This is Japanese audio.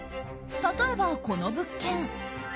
例えば、この物件。